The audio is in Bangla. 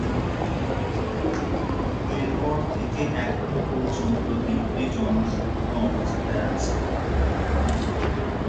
এরপর থেকে এখন পর্যন্ত দ্বীপটি জনশূন্য অবস্থায় আছে।